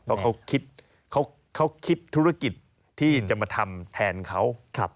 เพราะเขาคิดเขาคิดธุรกิจที่จะมาทำแทนเขา